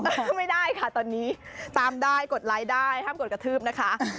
ไม่ได้ค่ะตอนนี้ตามได้กดไลค์ได้ห้ามกดกระทืบนะคะ